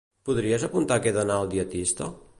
Podries apuntar que he d'anar al dietista?